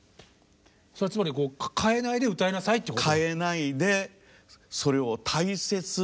それはつまり変えないで歌いなさいってこと？